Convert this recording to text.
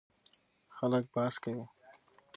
خلک بحث کوي.